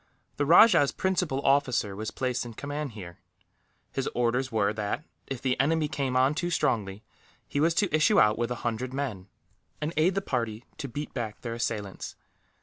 The rajah's principal officer was placed in command here. His orders were that, if the enemy came on too strongly, he was to issue out with a hundred men, and aid the party to beat back their assailants.